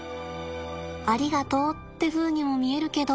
ありがとうってふうにも見えるけど。